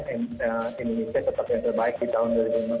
indonesia tetap yang terbaik di tahun dua ribu lima belas